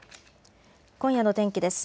今夜の天気です。